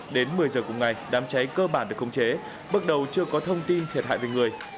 đến một mươi giờ cùng ngày đám cháy cơ bản được khống chế bước đầu chưa có thông tin thiệt hại về người